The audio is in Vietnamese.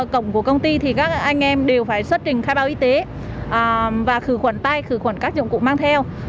cổng của công ty thì các anh em đều phải xuất trình khai báo y tế và khử khuẩn tay khử khuẩn các dụng cụ mang theo